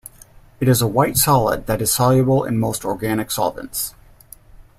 It is a white solid that is soluble in most organic solvents.